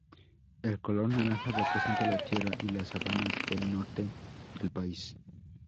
El color naranja representa la tierra y las sabanas del norte del país.